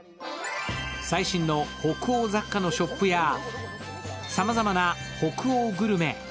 最新の北欧雑貨のショップやさまざまな北欧グルメ。